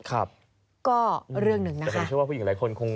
ก็เรื่องนึงนะคะ